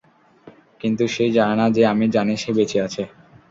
কিন্তু সে জানে না যে আমি জানি সে বেঁচে আছে।